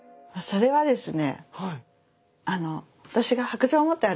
それはですね